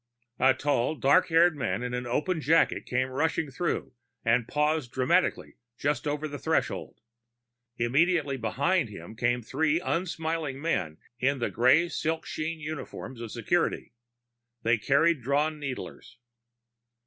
A tall, dark haired man in an open jacket came rushing through and paused dramatically just over the threshold. Immediately behind him came three unsmiling men in the gray silk sheen uniforms of security. They carried drawn needlers.